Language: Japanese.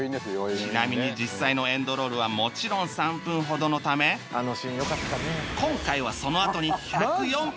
ちなみに実際のエンドロールはもちろん３分ほどのため今回はそのあとに１０４分のニセロールを合体